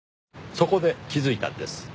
そこで気づいたんです。